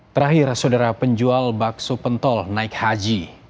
terakhir saudara penjual bakso pentol naik haji